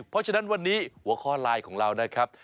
เพราะฉะนั้นวันนี้หัวข้อไลน์ของเรานะครับ